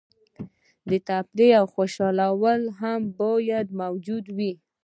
تفریح او خوشحالي هم باید موجوده وي.